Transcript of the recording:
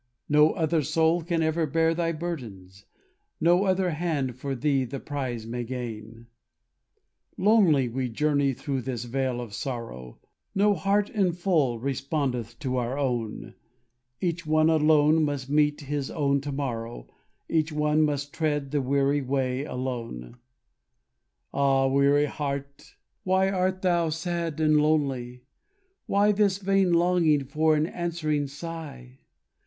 No other soul can ever bear thy burdens, No other hand for thee the prize may gain Lonely we journey through this vale of sorrow; No heart in full respondeth to our own: Each one alone must meet his own tomorrow, Each one must tread the weary way alone Ah, weary heart! why art thou sad and lonely? Why this vain longing for an answering sigh?